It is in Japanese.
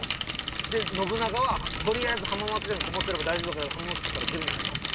信長は「取りあえず浜松城にこもってれば大丈夫だから浜松城から出るなよ」と。